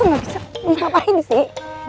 kok gak bisa mau ngapain sih